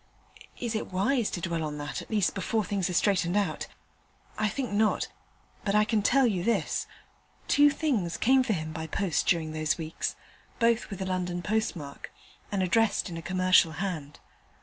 Is it wise to dwell on that, at least before things are straightened out? I think not, but I can tell you this: two things came for him by post during those weeks, both with a London postmark, and addressed in a commercial hand.